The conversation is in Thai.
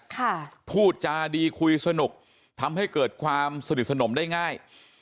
พูดจาดีคุยสนุกทำให้เกิดความสนิทสนมได้ง่าย